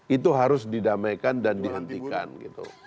itu harus didamaikan dan dihentikan gitu